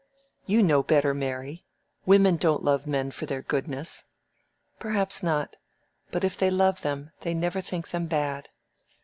"You know better, Mary. Women don't love men for their goodness." "Perhaps not. But if they love them, they never think them bad."